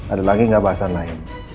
ada lagi nggak bahasan lain